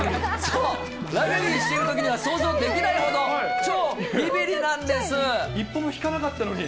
そう、ラグビーしているときには想像できないほど、一歩も引かなかったのに。